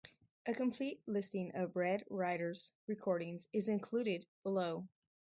A complete listing of Red Rider's recordings is included below.